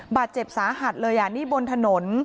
บาดเจ็บสาหัสเลยอ่ะนี่บนถนน